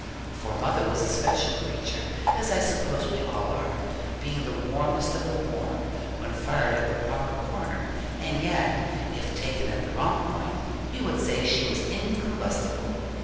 For mother was a special creature (as I suppose we all are), being the warmest of the warm, when fired at the proper corner; and yet, if taken at the wrong point, you would say she was incombustible.